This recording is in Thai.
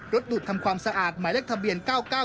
ดูดทำความสะอาดหมายเลขทะเบียน๙๙